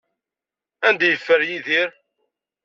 Anda ay yeffer Yidir?